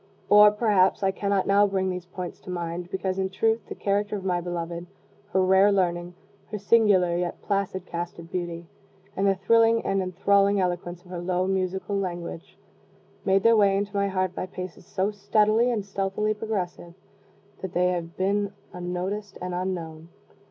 Or, perhaps, I cannot now bring these points to mind, because, in truth, the character of my beloved, her rare learning, her singular yet placid cast of beauty, and the thrilling and enthralling eloquence of her low musical language, made their way into my heart by paces so steadily and stealthily progressive, that they have been unnoticed and unknown.